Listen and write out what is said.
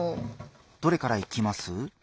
どれからいきます？